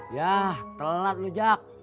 yah telat lu jak